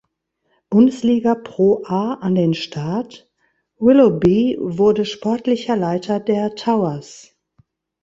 Bundesliga ProA an den Start, Willoughby wurde sportlicher Leiter der Towers.